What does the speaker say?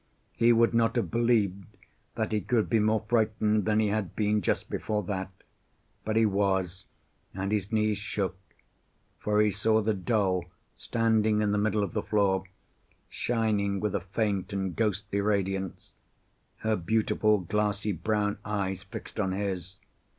He would not have believed that he could be more frightened than he had been just before that. But he was, and his knees shook, for he saw the doll standing in the middle of the floor, shining with a faint and ghostly radiance, her beautiful glassy brown eyes fixed on his.